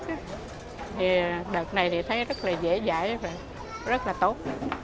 thì đợt này thì thấy rất là dễ dãi và rất là tốt